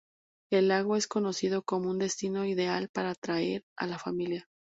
El lago es conocido como un destino ideal para traer a la familia.